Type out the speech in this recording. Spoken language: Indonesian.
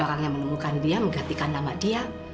orang yang menemukan dia menggantikan nama dia